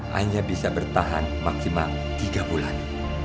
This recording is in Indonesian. hanya bisa bertahan maksimal tiga bulan